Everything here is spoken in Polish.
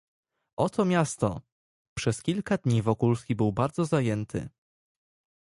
"Oto miasto!...“ Przez kilka dni Wokulski był bardzo zajęty."